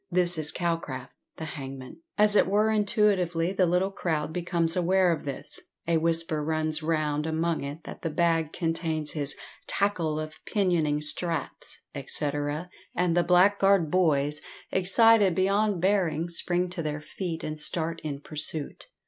This is Calcraft, the hangman. As it were intuitively the little crowd becomes aware of this, a whisper runs round among it that the bag contains his "tackle" of pinioning straps, &c., and the blackguard boys, excited beyond bearing, spring to their feet and start in pursuit.